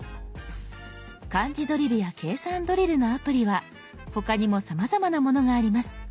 「漢字ドリル」や「計算ドリル」のアプリは他にもさまざまなものがあります。